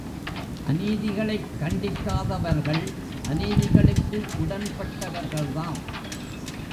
அநீதிகளைக் கண்டிக்கத்தகாதவர்கள் அநீதிகளுக்கு உடன்பட்டவர்கள் தாம்.